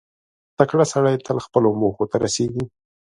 • تکړه سړی تل خپلو موخو ته رسېږي.